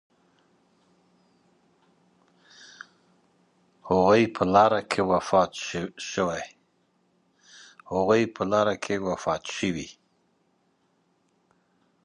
هغوی په لاره کې وفات شوي.